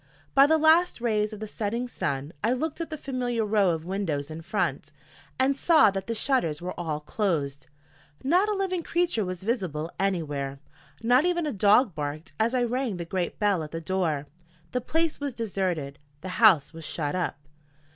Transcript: By the last rays of the setting sun I looked at the familiar row of windows in front, and saw that the shutters were all closed. Not a living creature was visible anywhere. Not even a dog barked as I rang the great bell at the door. The place was deserted; the house was shut up.